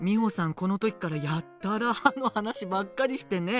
この時からやたら歯の話ばっかりしてねえ。